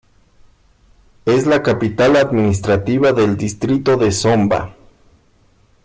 Es la capital administrativa del Distrito de Zomba.